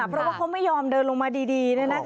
เพราะว่าเขาไม่ยอมเดินลงมาดี